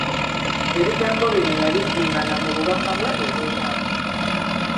Ebigambo bino yabiddingana mu bubaka bwe obwomwaka.